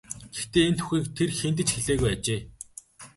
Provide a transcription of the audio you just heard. Гэхдээ энэ түүхийг тэр хэнд ч хэлээгүй ажээ.